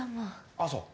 ああそう。